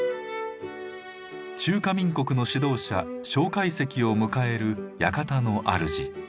中華民国の指導者蒋介石を迎える館の主。